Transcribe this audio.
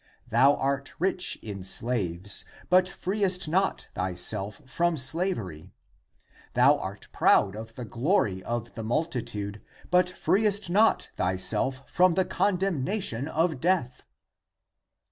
Thou art rich in slaves. <but freest not thy self from slavery. > Thou art proud of the glory of the multitude, but freest not thyself from the condemnation of death."